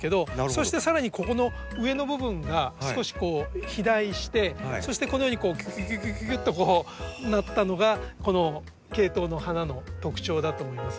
そしてさらにここの上の部分が少し肥大してそしてこのようにぎゅぎゅぎゅぎゅっとなったのがこのケイトウの花の特徴だと思います。